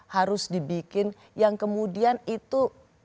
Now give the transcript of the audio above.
harus dibikin yang kemudian itu